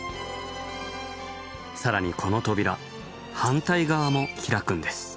更にこの扉反対側も開くんです。